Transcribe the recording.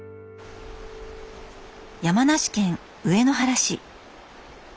山梨県上野原市。